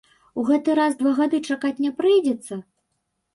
У гэты раз два гады чакаць не прыйдзецца?